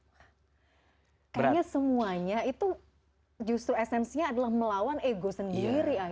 kayaknya semuanya itu justru esensinya adalah melawan ego sendiri